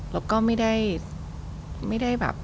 เราก็ไม่ได้ไม่ได้แบบ